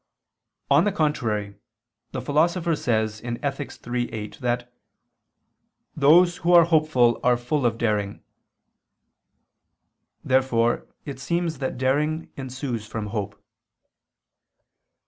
On the contrary, The Philosopher says (Ethic. iii, 8) that "those are hopeful are full of daring." Therefore it seems that daring ensues from hope.